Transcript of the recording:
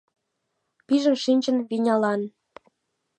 Пижын шинчын Венялан